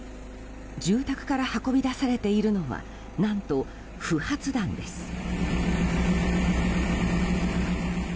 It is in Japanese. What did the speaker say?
住宅から運び出されているのは何と、不発弾です。